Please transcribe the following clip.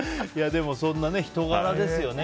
でも、そんな人柄ですよね。